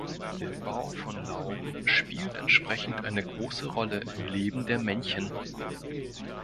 Der Bau von Lauben spielt entsprechend eine große Rolle im Leben der Männchen.